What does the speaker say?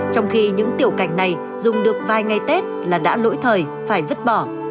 trong khi những tiểu cảnh này dùng được vai ngay tết là đã lỗi thời phải vứt bỏ